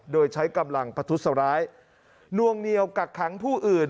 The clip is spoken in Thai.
โดยใช้กำลังประทุษร้ายนวงเหนียวกักขังผู้อื่น